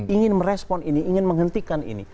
ingin merespon ini ingin menghentikan ini